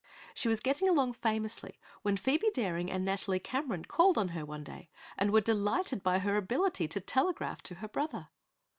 She was getting along famously when Phoebe Daring and Nathalie Cameron called on her one day and were delighted by her ability to telegraph to her brother.